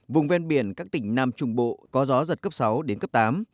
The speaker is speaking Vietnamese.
vùng ven biển các tỉnh nam trung bộ có gió giật cấp sáu đến cấp tám